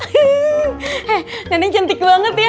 hehehe nenek cantik banget ya